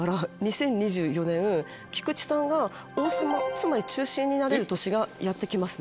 菊池さんが王様つまり中心になれる年がやって来ますね。